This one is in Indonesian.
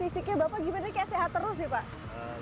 fisiknya bapak gimana nih kayak sehat terus ya pak